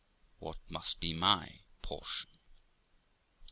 what must be my portion?'